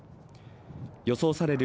予想される